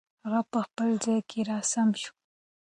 هغه په خپل ځای کې را سم شو.